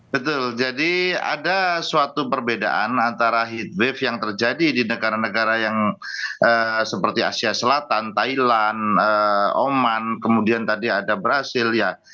betul jadi ada suatu perbedaan antara heat wave yang terjadi di negara negara yang seperti asia selatan thailand oman kemudian tadi ada brazil ya